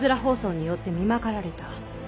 疱瘡によってみまかられた。